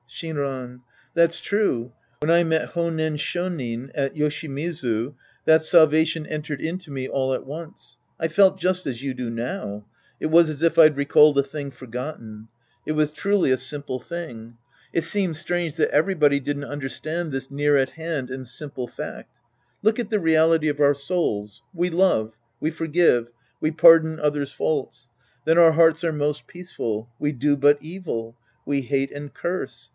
Shinran. That's true. When I met Honen Sho nin at Yoshimizu, that salvation entered into me all at once. I felt just as you do now. It was as if I'd recalled a thing forgotten. It was truly a simple tiling. It seemed strange that everybody didn't understand this near at hand and simple fact. Look at the reality of our souls. We love. We forgive. We pardon others' faults. Then our hearts are most peaceful. We do but evil. We hate and curse.